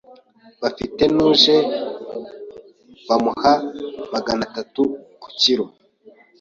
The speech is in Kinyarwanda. bafite n’uje bamuha maganatatu ku kilo.